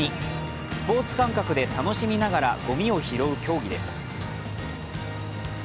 スポーツ感覚で楽しみながらごみを拾う競技です。